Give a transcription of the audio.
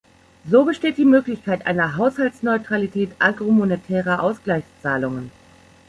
So besteht die Möglichkeit einer Haushaltsneutralität agromonetärer Ausgleichszahlungen.